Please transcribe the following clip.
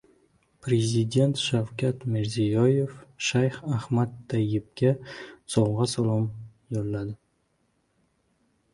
Prezident Shavkat Mirziyoev Shayx Ahmad Tayyibga sovg‘a-salom yo‘lladi